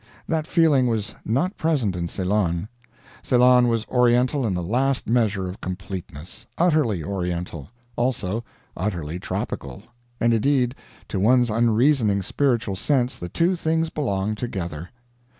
That feeling was not present in Ceylon. Ceylon was Oriental in the last measure of completeness utterly Oriental; also utterly tropical; and indeed to one's unreasoning spiritual sense the two things belong together.